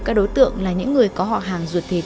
các đối tượng là những người có họ hàng ruột thịt